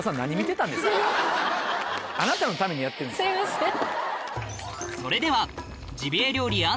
すいません。